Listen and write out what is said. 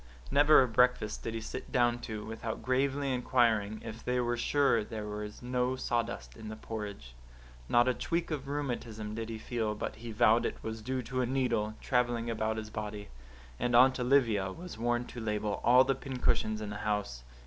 Never a breakfast did he sit down to, without gravely inquiring if they were sure there was no sawdust in the porridge. Not a tweak of rheumatism did he feel but he vowed it was due to a needle, travelling about his body. And Aunt Olivia was warned to label all the pincushions in the house.